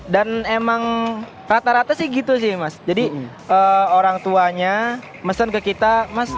dan emang rata rata sih gitu sih mas jadi orang tuanya mesen ke kita mas